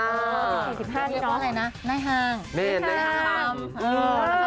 อ๋อสิ่งที่สิบห้านี่เนอะเรียกว่าอะไรนะ